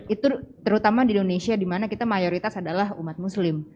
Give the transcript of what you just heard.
itu terutama di indonesia dimana kita mayoritas adalah umat muslim